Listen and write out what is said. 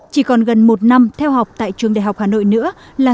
chỉ còn gần một năm theo học tại trường đại học hà nội nữa